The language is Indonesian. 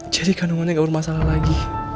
kandungannya gak bermasalah lagi